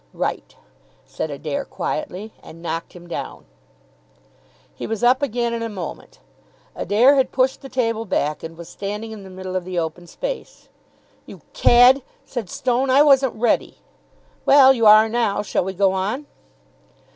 "Right," said Adair quietly, and knocked him down. He was up again in a moment. Adair had pushed the table back, and was standing in the middle of the open space. "You cad," said Stone. "I wasn't ready." "Well, you are now. Shall we go on?"